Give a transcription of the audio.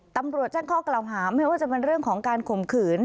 ตำรวจแจ้งข้อกล่าวหาไม่ว่าจะเป็นเรื่องของการข่มขืน